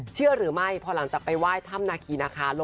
เชื่อหรือไม่พอหลังจากไปไหว้ถ้ำนาคีนาคาร